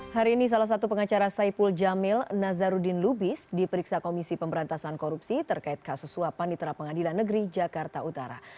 hari ini salah satu pengacara saipul jamil nazarudin lubis diperiksa komisi pemberantasan korupsi terkait kasus suapan di tera pengadilan negeri jakarta utara